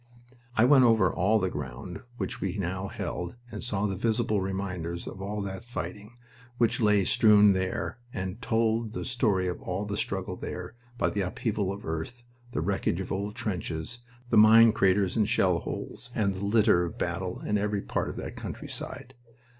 I went over all the ground which we now held, and saw the visible reminders of all that fighting which lay strewn there, and told the story of all the struggle there by the upheaval of earth, the wreckage of old trenches, the mine craters and shell holes, and the litter of battle in every part of that countryside.